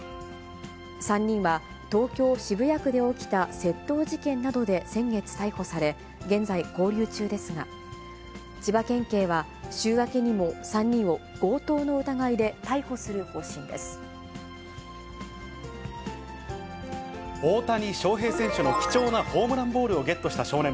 ３人は、東京・渋谷区で起きた窃盗事件などで先月逮捕され、現在勾留中ですが、千葉県警は、週明けにも３人を強盗の疑いで逮大谷翔平選手の貴重なホームランボールをゲットした少年。